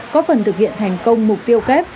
có phần thực hiện thành công mục tiêu kép